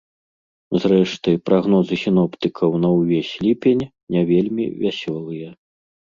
Зрэшты, прагнозы сіноптыкаў на ўвесь ліпень не вельмі вясёлыя.